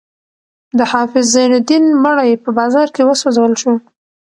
د حافظ زین الدین مړی په بازار کې وسوځول شو.